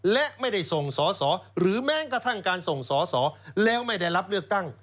และไม่ได้ส่งสอสอหรือแม้กระทั่งการส่งสอสอแล้วไม่ได้รับเลือกตั้ง